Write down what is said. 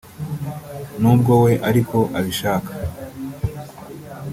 n’ubwo we ariko abishaka